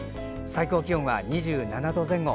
最高気温は２７度前後。